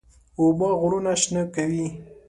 اوبه غرونه شنه کوي.